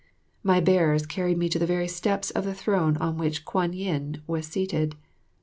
My bearers carried me to the very steps of the throne on which Kwan yin was seated.